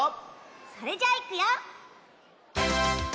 それじゃいくよ。